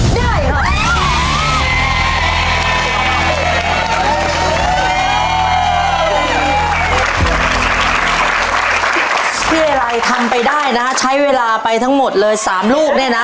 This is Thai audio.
อะไรทำไปได้นะใช้เวลาไปทั้งหมดเลย๓ลูกเนี่ยนะ